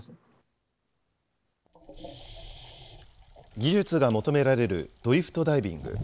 技術が求められるドリフトダイビング。